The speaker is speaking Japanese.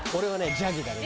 ジャギだね